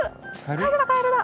カエルだカエルだ！